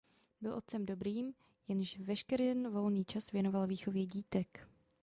Byl otcem dobrým, jenž veškeren volný čas věnoval výchově dítek.